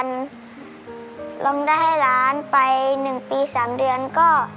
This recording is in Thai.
ร้องได้ให้ล้านไป๑ปี๓เดือนก็